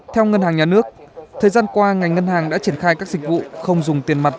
theo ngân hàng nhà nước thời gian qua ngành ngân hàng đã triển khai các dịch vụ không dùng tiền mặt